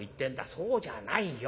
そうじゃないよ。